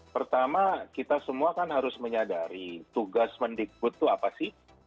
pertama kita semua kan harus menyadari tugas mendikbud itu apa sih